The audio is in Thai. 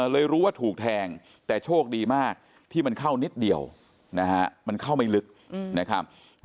เลยรู้ว่าถูกแทงแต่โชคดีมากที่มันเข้านิดเดียวนะฮะมันเข้าไม่ลึกนะครับ